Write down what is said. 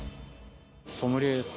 ソムリエです。